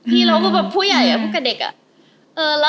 พี่เราก็แบบผู้ใหญ่แบบผู้กับเด็กอะ